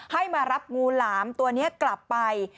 ให้มารับงูหลามตัวนี้กลับไป